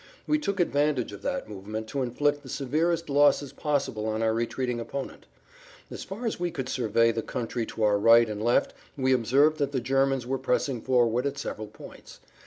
We took advantage of that movement to inflict the severest losses possible on our retreating opponent. As far as we could survey the country to our right and left we observed that the Germans were pressing forward at several points.